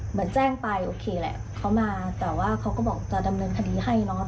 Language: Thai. เหมือนแจ้งไปโอเคแหละเขามาแต่ว่าเขาก็บอกจะดำเนินคดีให้เนอะ